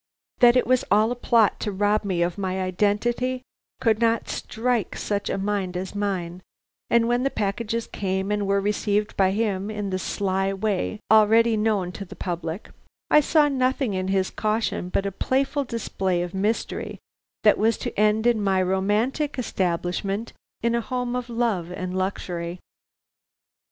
That it was all a plot to rob me of my identity could not strike such a mind as mine, and when the packages came and were received by him in the sly way already known to the public, I saw nothing in his caution but a playful display of mystery that was to end in my romantic establishment in a home of love and luxury.